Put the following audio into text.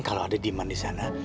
kalau ada demand di sana